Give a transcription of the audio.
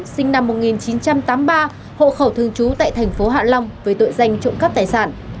sinh năm một nghìn chín trăm tám mươi ba hộ khẩu thường trú tại thành phố hạ long với tội danh trộm cắp tài sản